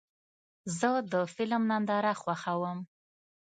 زه د فلم ننداره خوښوم.